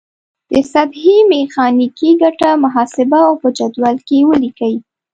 د سطحې میخانیکي ګټه محاسبه او په جدول کې ولیکئ.